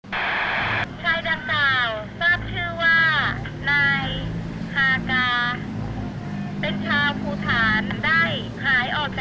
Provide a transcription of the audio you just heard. ชายดังต่าวทราบชื่อว่านายฮากา